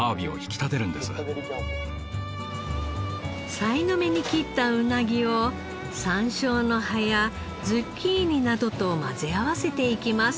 さいの目に切ったうなぎを山椒の葉やズッキーニなどと混ぜ合わせていきます。